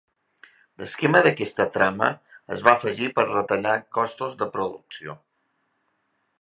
L'esquema d'aquesta trama es va afegir per retallar costos de producció.